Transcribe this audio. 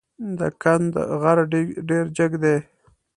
د کند غر ډېر جګ دی.